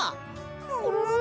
ももも？